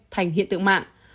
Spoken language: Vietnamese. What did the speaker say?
thành hiện tượng mạng